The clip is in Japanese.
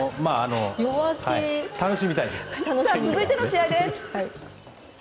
続いての試合です！